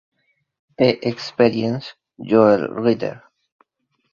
T Experience, Joel Reader.